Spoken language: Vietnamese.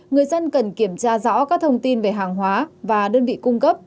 người dân cần kiểm tra rõ các thông tin về hàng hóa và đơn vị cung cấp